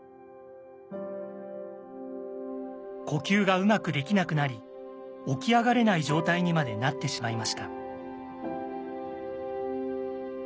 呼吸がうまくできなくなり起き上がれない状態にまでなってしまいました。